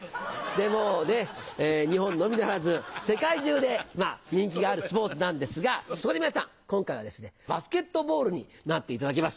もうね、日本のみならず、世界中で人気があるスポーツなんですが、そこで皆さん、今回はバスケットボールになっていただきます。